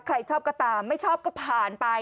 ใครชอบก็ตามไม่ชอบก็ผ่านไป